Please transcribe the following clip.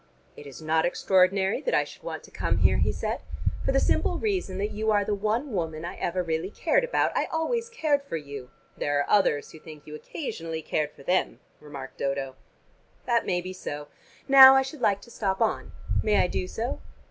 "It is not extraordinary that I should want to come here," he said, "for the simple reason that you are the one woman I ever really cared about. I always cared for you " "There are others who think you occasionally cared for them," remarked Dodo. "That may be so. Now I should like to stop on. May I do so?"